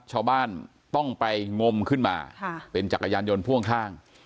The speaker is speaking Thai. ชาวบ้านต้องไปงมขึ้นมาเป็นจักรยานยนต์พ่วงข้าง